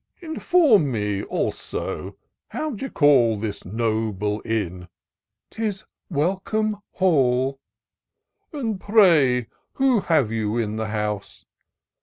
" Inform me, also, how you call This noble inn ?"« 'Tis Welcome Halir " And pray who have you in the house